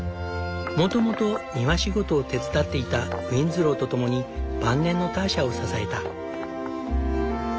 もともと庭仕事を手伝っていたウィンズローと共に晩年のターシャを支えた。